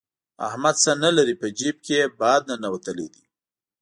احمد څه نه لري؛ په جېب کې يې باد ننوتلی دی.